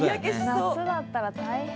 夏だったら大変。